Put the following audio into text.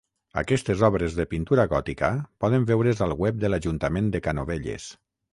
Aquestes obres de pintura gòtica poden veure's al web de l'Ajuntament de Canovelles.